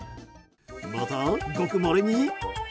また、ごくまれに。